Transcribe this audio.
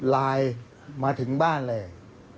ไลน์มาถึงบ้านเลย